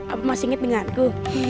apa masih ingat denganku